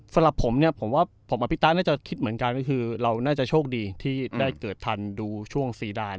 สำหรับผมเนี่ยผมว่าผมอภิตาน่าจะคิดเหมือนกันก็คือเราน่าจะโชคดีที่ได้เกิดพันธุ์ดูช่วงซีดาน